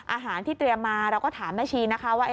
อาหารที่เตรียมมาเราก็ถามแม่ชีนะคะว่า